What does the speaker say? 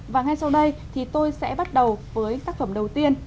và ngay sau đây thì tôi sẽ bắt đầu với tác phẩm đầu tiên